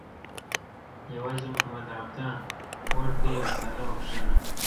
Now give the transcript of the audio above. یوازې محمد عبده وړکۍ رساله وکښله.